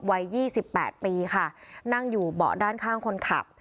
วัยยี่สิบแปดปีค่ะนั่งอยู่เบาะด้านข้างคนขับ